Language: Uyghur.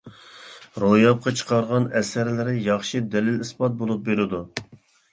روياپقا چىقارغان ئەسەرلىرى ياخشى دەلىل-ئىسپات بولۇپ بېرىدۇ.